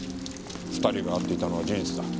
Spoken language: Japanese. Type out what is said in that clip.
２人が会っていたのは事実だ。